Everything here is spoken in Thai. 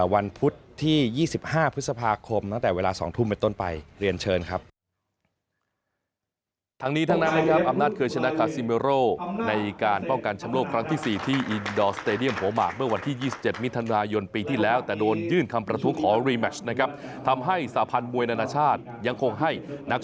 วันพุธที่๒๕พฤษภาคมตั้งแต่เวลา๒ทุ่มไปต้นไป